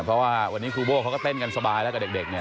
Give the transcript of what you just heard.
เพราะว่าวันนี้ครูโบ้เขาก็เต้นกันสบายแล้วกับเด็กเนี่ย